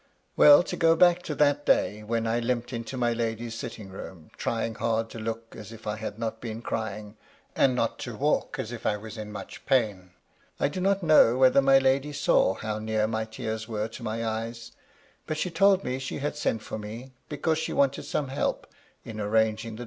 Well, to go back to that day when I limped into my lady's sitting room, trying hard to look as if I had not been crying, and not to walk as if I was in much pain. I do not know whether my lady saw how near my tears were to my eyes, but she told me she had sent for me, because she wanted some help in arranging the MY LADY LUDLOW.